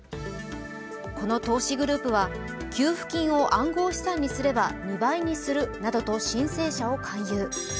この投資グループは給付金を暗号資産にすれば２倍にするなどと申請者を勧誘。